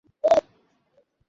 এই নিয়ে টানা তিন বছর ও ফেল করলো।